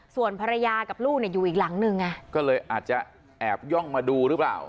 ส่วนภรรยากับลูกเนี่ยอยู่อีกหลังหนึ่งไงก็เลยอาจจะแอบย่องมาดูหรือเปล่า